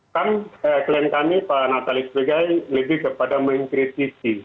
kan klien kami pak natali sebagai lebih kepada mengkritisi